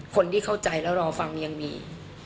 คนที่เข้าใจแล้วรอฟังยังมี